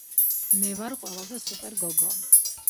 მე ვარ ყველაზე სუპერ გოგო